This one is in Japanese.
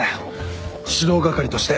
指導係として。